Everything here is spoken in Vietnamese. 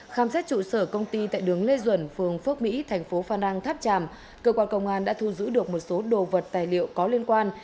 khám xét trụ sở công ty tại đường lê duẩn phường phước mỹ thành phố phan rang tháp tràm cơ quan công an đã thu giữ được một số đồ vật tài liệu có liên quan